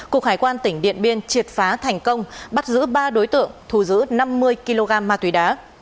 cục hải quan tỉnh điện biên triệt phá thành công bắt giữ ba đối tượng thù giữ năm mươi kg ma túy đá